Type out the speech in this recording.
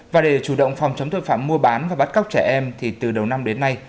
và để chủ động phòng chống tội phạm mua bán và bắt cóc trẻ em thì từ đầu năm đến nay